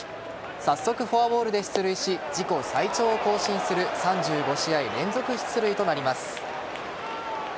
早速フォアボールで出塁し自己最長を更新する３５試合連続出塁となります。